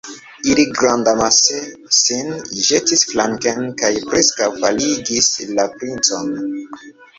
Ili grandamase sin ĵetis flanken kaj preskaŭ faligis la princon.